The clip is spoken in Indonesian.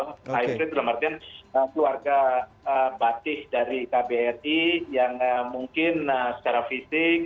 hybrid berarti keluarga batis dari kbri yang mungkin secara fisik